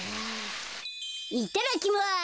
いただきます！